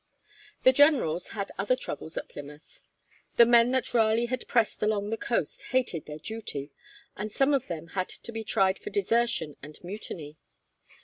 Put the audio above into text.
The generals had other troubles at Plymouth. The men that Raleigh had pressed along the coast hated their duty, and some of them had to be tried for desertion and mutiny.